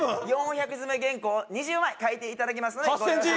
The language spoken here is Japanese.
４００字詰め原稿を２０枚書いていただきますので８０００字！